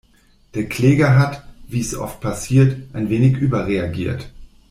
Der Kläger hat, wie’s oft passiert, ein wenig überreagiert.